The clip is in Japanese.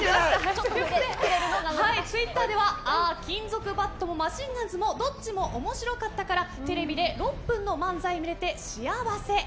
ツイッターでは金属バットもマシンガンズもどっちも面白かったからテレビで６分の漫才見れて幸せ。